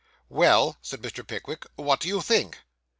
'Well,' said Mr. Pickwick, 'what do you think?